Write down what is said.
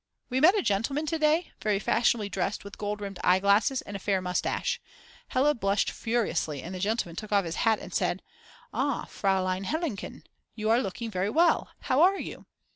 We met a gentleman to day, very fashionably dressed with gold rimmed eyeglasses and a fair moustache. Hella blushed furiously, and the gentleman took off his hat and said: Ah, Fraulein Helenchen, you are looking very well. How are you?